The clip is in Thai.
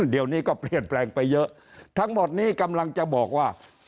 เดี๋ยวนี้ก็เปลี่ยนแปลงไปเยอะทั้งหมดนี้กำลังจะบอกว่า